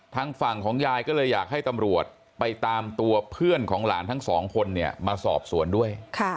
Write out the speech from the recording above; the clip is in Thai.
ทางฝั่งของยายก็เลยอยากให้ตำรวจไปตามตัวเพื่อนของหลานทั้งสองคนเนี่ยมาสอบสวนด้วย